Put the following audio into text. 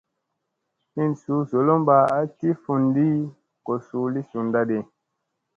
Hin suu zolomba a ti fundi ko suu li sundadi.